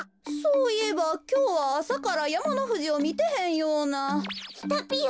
そういえばきょうはあさからやまのふじをみてへんような。